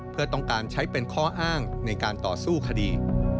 เพื่อต้องการใช้เป็นข้ออ้างในการต่อสู้คดี